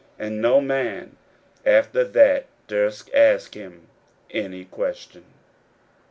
And no man after that durst ask him any question.